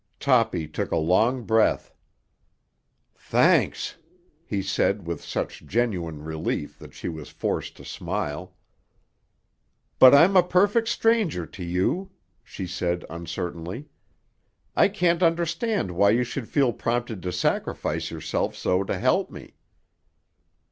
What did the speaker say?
Toppy took a long breath. "Thanks!" he said with such genuine relief that she was forced to smile. "But I'm a perfect stranger to you," she said uncertainly. "I can't understand why you should feel prompted to sacrifice yourself so to help me."